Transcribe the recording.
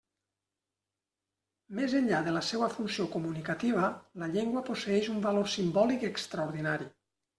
Més enllà de la seua funció comunicativa, la llengua posseeix un valor simbòlic extraordinari.